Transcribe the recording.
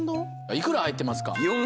いくら入ってますか？